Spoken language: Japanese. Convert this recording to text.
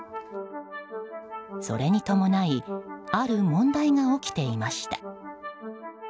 それに伴いある問題が起きていました。